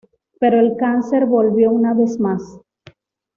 Pero el cáncer volvió una vez más.